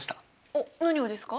おっ何をですか？